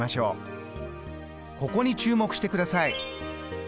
ここに注目してください。